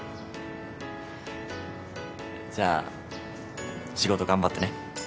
じゃあ仕事頑張ってね。